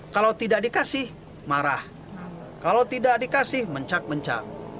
kalau tidak dikasih marah kalau tidak dikasih mencak mencak